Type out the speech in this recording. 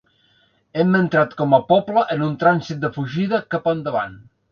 Hem entrat com a poble en un trànsit de fugida cap endavant.